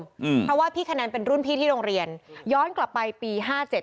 อืมเพราะว่าพี่คะแนนเป็นรุ่นพี่ที่โรงเรียนย้อนกลับไปปีห้าเจ็ด